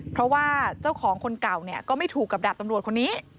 เพราะว่าเจ้าของคนเก่าเนี่ยก็ไม่ถูกกับดาบตำรวจคนนี้